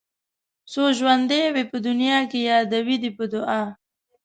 څو ژوندي وي په دنيا کې يادوي دې په دعا